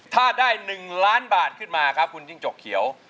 ถ้าได้๑ล้านบาทขึ้นมาครับคุณจิ้งจกเขียว